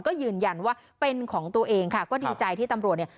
ก็ยืนยันว่าเป็นของตัวเองค่ะก็ดีใจที่ตำรวจเนี่ย